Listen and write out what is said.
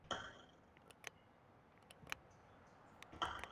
Durante su reinado, Saruman se autoproclamó Señor de Isengard.